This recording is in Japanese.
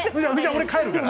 俺、もう帰るから。